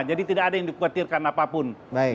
jadi tidak ada yang dikhawatirkan apapun